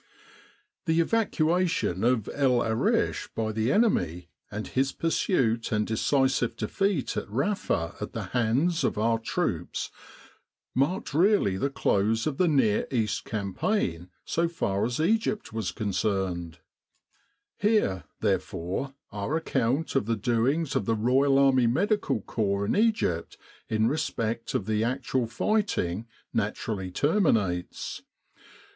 The evacuation of El Arish by the enemy, and his pursuit and decisive defeat at Rafa at the hands of our troops, marked really the close of the Near East Campaign so far as Egypt was concerned. Here, MS With the R.A.M.C. in Egypt therefore, our account of the doings of the Royal Army Medical Corps in Egypt in respect of the actual fighting naturally terminates.